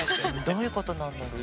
どういうことなんだろう？